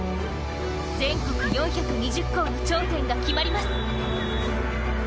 全国４２０校の頂点が決まります。